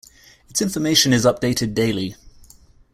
Its information is updated daily.